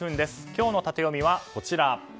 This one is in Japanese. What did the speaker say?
今日のタテヨミはこちら。